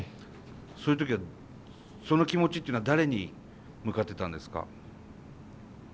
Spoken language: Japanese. そういう時はその気持ちっていうのは誰に向かってたんですか？